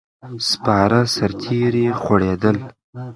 سپاره سرتیري خورېدل.